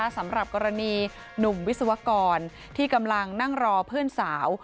สำหรับกรณีหนุ่มวิศวกรที่กำลังนั่งรอเพื่อนสาว